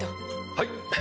はい！